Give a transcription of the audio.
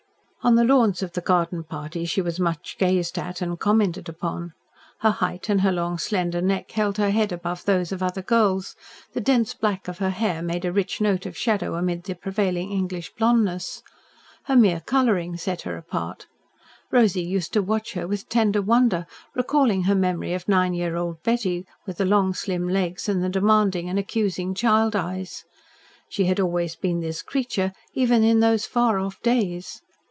On the lawns at the garden parties she was much gazed at and commented upon. Her height and her long slender neck held her head above those of other girls, the dense black of her hair made a rich note of shadow amid the prevailing English blondness. Her mere colouring set her apart. Rosy used to watch her with tender wonder, recalling her memory of nine year old Betty, with the long slim legs and the demanding and accusing child eyes. She had always been this creature even in those far off days.